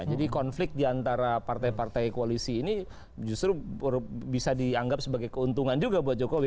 jadi konflik diantara partai partai koalisi ini justru bisa dianggap sebagai keuntungan juga buat jokowi